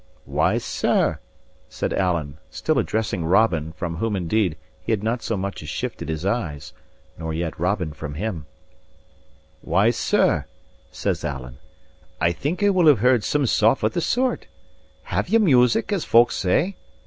"Why, sir," said Alan, still addressing Robin, from whom indeed he had not so much as shifted his eyes, nor yet Robin from him, "why, sir," says Alan, "I think I will have heard some sough* of the sort. Have ye music, as folk say?